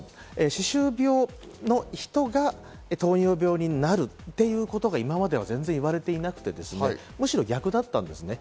歯周病の人が糖尿病になるということが今までは全然言われていなくて、むしろ逆だったんですね。